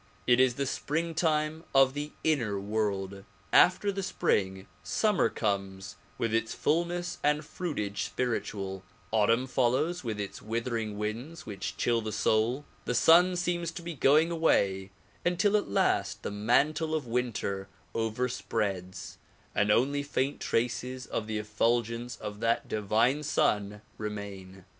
It is the springtime of the inner world. After the spring, summer comes with its fullness and fruitage spiritual; autumn follows with its withering winds which chill the soul ; the Sun seems to be going away until at last the mantle of winter overspreads and only faint traces of the effulgence of that divine Sun remain.